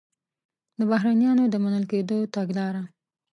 د بهرنیانو د منل کېدلو تګلاره